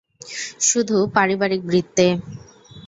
শুধু পারিবারিক বৃত্তে।